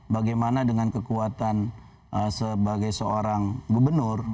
bagaimana dengan kekuatan sebagai seorang gubernur